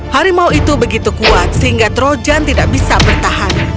harimau itu begitu kuat sehingga trojan tidak bisa bertahan